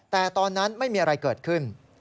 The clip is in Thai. แต่ตอนนั้นไม่มีอะไรเกิดขึ้น